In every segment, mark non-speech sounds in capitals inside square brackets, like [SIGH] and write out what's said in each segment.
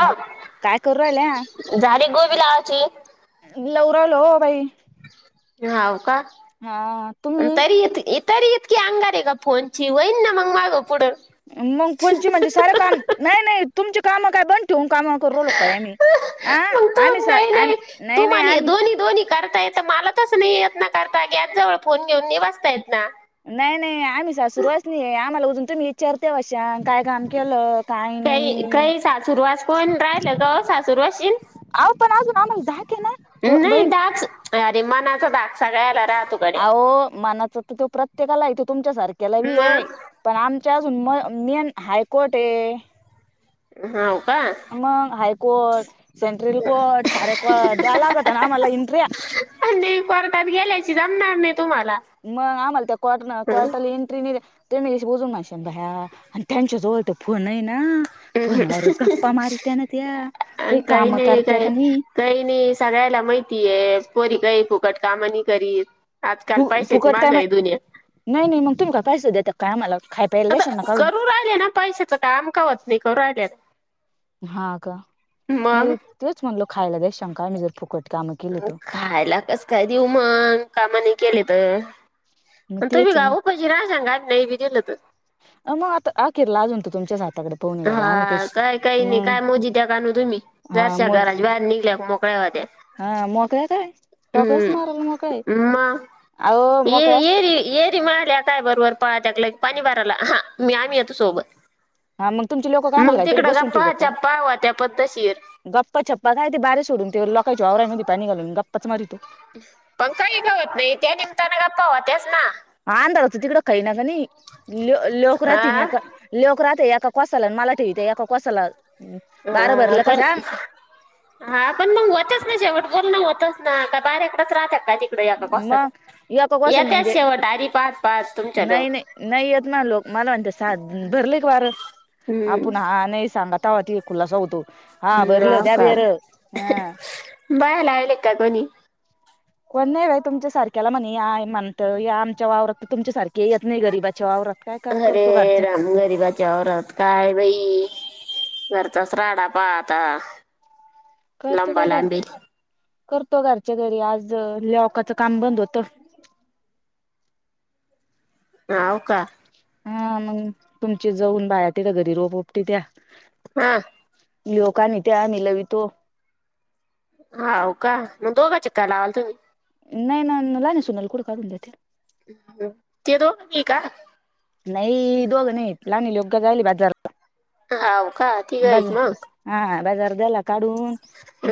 अ काय करू राहिल्या झाडे गोबी लावाची लवरा लो भाई हाव का हा तुम्ही तरी तरी इतकी अंगार आहे का फोनची होईन ना मग माग पुढं मग फोणची म्हणजे सारं काम नाही नाही तुमची काम काय बंद ठेवन काम कर लो काय आम्ही आ मग तू आम्ही सा नाही नाही आम्ही नाही तू नाही मला हे आम्ही दोन्ही दोन्ही करता येत मला तच नाही य ना करता की गॅस जवळ फोन घेऊन नि वाचता येत ना नाही नाही आम्ही सासुरवासनी आहे आम्हाला अजून तुम्ही चर्तेवाशा काय काम केलं काय काही नाही सुरूशीील आ पण अजून आम्हाला धाक आहे ना नाही बाई दाग अरे मनाचा धाक सगळ्याला राहतो गड्या अहो मानाच तर तो प्रत्येकाला आहे तो तुमच्या सारख्याला वेळ आहे मग पण आमच्या अजून म मेन हायकोर्ट आहे हा का मग हायकोर्ट सेंट्रल कोर्ट सारेकट द्या लागत ना आम्हाला एन्ट्री अ परतात गेल्याची जमणार नाही तुम्हाला मग आम्हाला त्या क्टन कॉटल हं. एंट्री ते मी तशी बोजून माणशन भाया आणि त्यांच्याजवळ तं फोन आहे ना. फोन वरच गप्पा मारित्या ना त्या काही काम नाही करत्या काय का नाही. काही नाही सगळ्याला माहितीय पोरी काही फुकट काम नाही करीत. आजकाल फु पैशाचा फुकट काय माग माहि आहे दुनिया. नाही नाही मग तुम्ही काय पैसें देतात काय आम्हाला. खाय प्यायला आता द्याशाल ना काढून करू राहिले ना पैसेच काम होत नाही करू राहिले ना. हा का नाही तेंच म्हणल खायला काही शंका आम्ही जर फुकट कामं केली तर खायला कस काय देऊ मग काम नाही केले तर. मग अन तुम्ही तेच का आहे ना उपाशी राहसाल का नाही बी दिल तर मग आता अखेरला अजून तर तुमच्याच हाताकडे पाहुणे गाड्या आम्ही हा काहीच काय काही नाही मग काय मोजी द्या कानू तुम्ही हा जरशा मग घराज बाहेर निघल्या की मोकळ्या होत्या. हा मोकळ्या तर आहे डोकड्यास हम्म मारायला मोकळ्या आहे मग अहो मो ये कळ्या स येरी येरी माया लेका बरोबर पडतात लेख पाणी बाराला हा मी आम्ही येतो सोबत हा मग तुमची लोक कामाला मग घालतेत तिकडे बसून ठेवतात गप्पा काय चप्पा होत्या पद्धतशीर गप्पा छप्पा काय ते बारीे सोडून तो लोकायच्या आवरा्यामध्ये पाणी घालून गप्पाच मारी तो पण काही गवत नाही त्या निमित्याने गप्पा हो त्ययास ना आंध्र असत त कड काहीनाकाणी ल लोक रा त नाही आ? अका लोक राहते एका कोसाला मला ठेवते एका कोसाला बारबर आ, ल का पण जा. हा पण मग होतेच ना शेवट बोलण होतच ना का बाहेर्याकडंच राहतात का ते. या का कस मग एका कोसाला येत म्हणजे शेव डायरी पास पास तुमच्या लडोक नाही नाही नाही येत ना लोक मला सा भरले क वारं हम्म, आपण हा नाही सांगत तवा ती. खुलासा होतो हा हम्म, भरल द बिर ह बायलाले का कोणी कोण नाही बा तुमच्या सारख्याला म्हणे म्हणत या आमच्या वावरात तर तुमच्या सारख्या काही येत नाही गरीबाच्या वावरात काय करा करतो घरच्या ह गरीबाच्या त्या वावरात काय बाई घरचाच राडा पाहा आता. करतो बाई दारच करतो घरच्या घरी आज लॉकाचं काम बंद होतं. हाव का हा मग तुमची जाऊन बाया तिथ घरी रोप ऊपटी त्यात हा. लोकांनी ते आम्ही लावी तो हाव का मग दोघां चेका लावल तुम्ही नाही ना अ न लहान्या सुनाल कुठे काढून देता. ते दोघ बी का नाही ई दोघं नाही लाईनी लोक काय जायला बाजारात. हाव का. तिघ आहेत बजार हा आ बजार झाला. काढून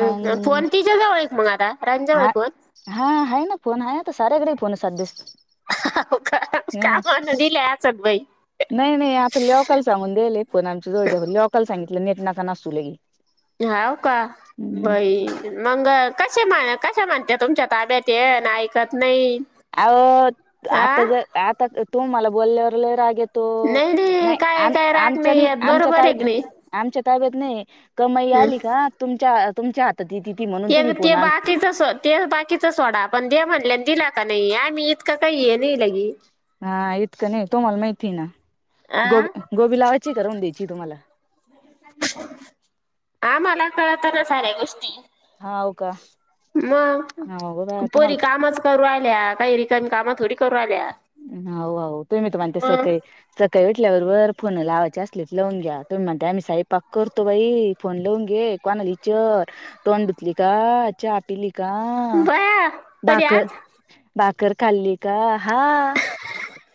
मग फोन तिच्या जवळ आहेत मग आता रांजवळ आहे हाव फोन हा आहे ना फोन आहेता साऱ्याकडे फोन सदया. हव का कामा न दिले असत बाई नाही नाही आता लोकल सांगून देले फोन आहेआमची जवळ दिले लोकल सांगितलं नेट नका नासू लई. हाव का बाई मंग अ कसे कश म्हणते तुमच्या ताब्यात ये ना ऐकत नाही. अहो आ आता जर आता तू मला बोलल्यावर लय राग येतो. तो अ नाही काय आम काय राग नाही आमच्यानी येत आमच्या बरोबर त आहे की नाही आमच्या ताब्यात नाही कमाई हं. आली का तुमच्या तुमच्या हातात ये ती म्हणून तुम्ही ते ते फोन आणता. बाकीचं सो ते बाकीच सोडा पण दे म्हणल्या दिला का नाही आम्ही इतकं काही हे नाही लगी. हा इतकं नाही तुम्हाला माहिती आहे ना आ गोबी गोबी लावायची करून द्यायची तुम्हाला- आम्हाला कळत ना साऱ्या गोष्टी- हाव का? मग हाव गो बाया तुम्हाला पोरी कामच- करू राहिल्या. काही रिकाम काम थोडी करू राहिल्या. हो तुम् मी तर म्हणते सकाळी सकाळी उठल्याबरोबर फोन लावायचे असलेत लावून घ्या तु म्हणते आम्ही स्वय पाक करतो बाई फोन लावून घे. कोणा ला इचर तोंड धुतली का? चहा पिली का? बया कधी भाकरर आज भाकर खाल्ली का? हा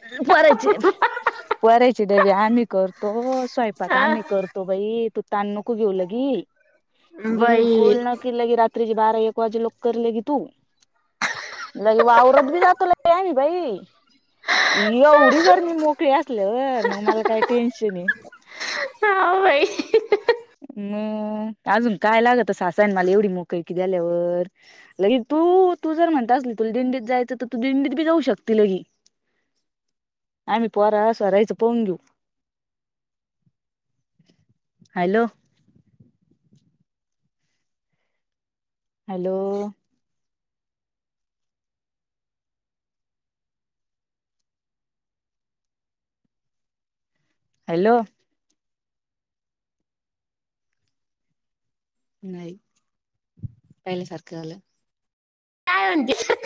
[UNINTELLIGIBLE] पोरायचे डबे आम्ही करतो. स्वयंपाक हा आम्ही करतो बाई. तू ताण नको घेऊ लगी. बाई बिलकुल न केि लग रा रात्री बारा एक वाजे लोक करले की तू. लगे आवरात बी जात बाई एवढी जर मी मोकळी असल्यावर मग मला काही टेन्शन आहे? हा भाई. मग अजून काय लागत सासयन मला एवढी मोकळी की द्याल्यावर. लगे तू तू जर म्हणता असली तुला दिंडीत जायचं तर तू दिंडीत बी जाऊ शकते लगी. आम्ही पोरा सोरायचं पाहून घेऊ. हॅलो. हॅलो. हॅलो. नाही. पहिल्यासारखं आल काय म्हणती?